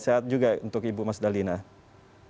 amin sehat juga untuk ibu mas dallina pane